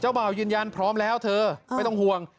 บ่าวยืนยันพร้อมแล้วเธอไม่ต้องห่วง